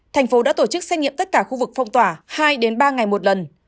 thành phố đã tổ chức xét nghiệm tất cả khu vực phong tỏa hai ba ngày một lần